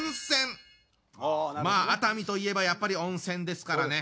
まあ熱海といえばやっぱり温泉ですからね。